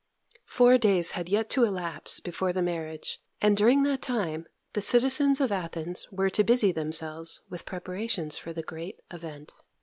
Four days had yet to elapse before the marriage, and during that time the citizens of Athens were to busy themselves with preparations for the great event.